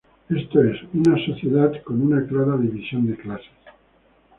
Esto es, una sociedad con una clara división de clases.